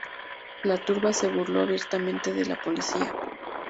La turba se burló abiertamente de la policía.